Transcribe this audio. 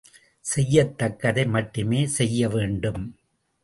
செய்யத் தக்கதை மட்டுமே செய்ய வேண்டும்.